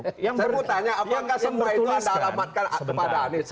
saya mau tanya apakah semua itu anda alamatkan kepada anies